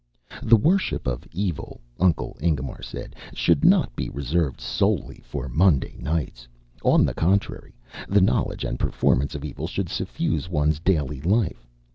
The worship of Evil, Uncle Ingemar said, should not be reserved solely for Monday nights. On the contrary! The knowledge and performance of evil should suffuse one's daily life.